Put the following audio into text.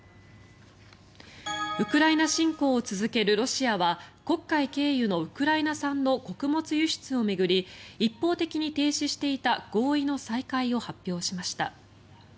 ウクライナ侵攻を続けるロシアは黒海経由のウクライナ産の穀物輸出を巡り一方的に停止していた合意の再開を発表しました。